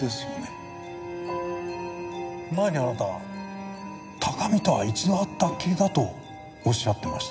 前にあなたは高見とは一度会ったっきりだとおっしゃってました。